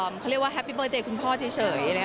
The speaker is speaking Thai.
เขาเรียกว่าแฮปปี้เบอร์เดย์คุณพ่อเฉย